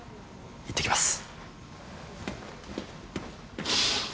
いってきます。